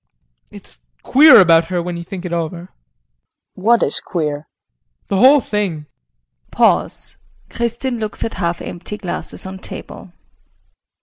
JEAN. It's queer about her when you think it over. KRISTIN. What is queer? JEAN. The whole thing. [Pause. Kristin looks at half empty glasses on table.